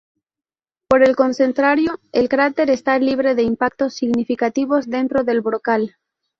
Por el contrario, el cráter está libre de impactos significativos dentro del brocal.